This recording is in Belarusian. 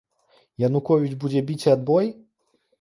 Януковіч будзе біць адбой?